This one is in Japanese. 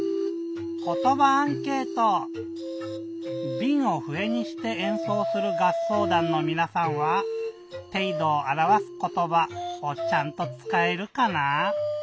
びんをふえにしてえんそうするがっそうだんのみなさんは「ていどをあらわすことば」をちゃんとつかえるかな？